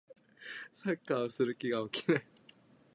サッカーをする気が起きない